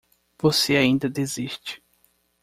Você ainda desiste